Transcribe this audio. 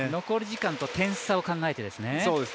残り時間と点差を考えてですね。